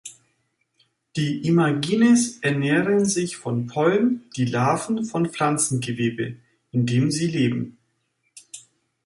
Die Imagines ernähren sich von Pollen, die Larven von Pflanzengewebe, in dem sie leben.